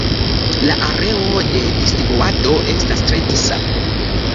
La areo de distribuado estas tre disa.